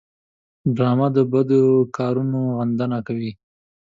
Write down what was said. ډرامه د بدو کارونو غندنه کوي